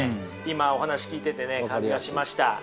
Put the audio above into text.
今お話を聞いててね感じがしました。